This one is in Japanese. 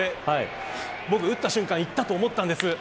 僕、打った瞬間いったと思ったんです。